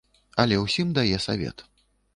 Але ўсім дае савет.